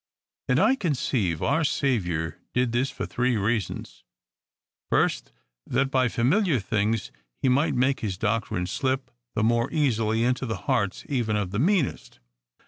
And, I conceive, our Saviour did this for three reasons. First, that by famil iar things he might make his doctrine slip the more easily into the hearts even of the meanest.